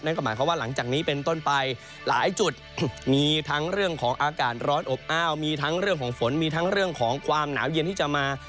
หมายความว่าหลังจากนี้เป็นต้นไปหลายจุดมีทั้งเรื่องของอากาศร้อนอบอ้าวมีทั้งเรื่องของฝนมีทั้งเรื่องของความหนาวเย็นที่จะมา